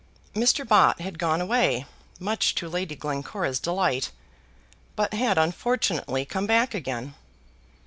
Mr. Bott had gone away, much to Lady Glencora's delight, but had unfortunately come back again.